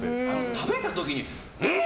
食べた時にうん！